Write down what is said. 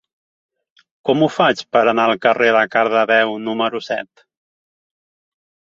Com ho faig per anar al carrer de Cardedeu número set?